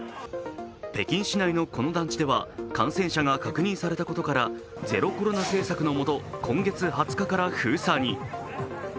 北京市内のこの団地では感染者が確認されたことからゼロコロナ政策のもと今月２０日から封鎖に。